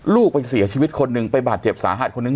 ลูกไปเสียชีวิตคนหนึ่งไปบาดเจ็บสาหัสคนนึง